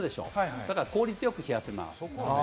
だから効率よく冷やせます。